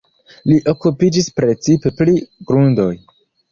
Li okupiĝis precipe pri grundoj.